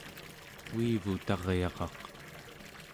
uivutaryaraq